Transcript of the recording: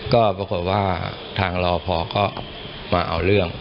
ก็ปรากฏว่าทางรอพอก็มาเอาเรื่อง